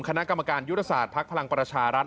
คณะกรรมการยุทธศาสตร์ภักดิ์พลังประชารัฐ